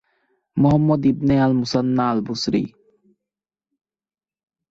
Muhammad ibn al Muthanna al-Basri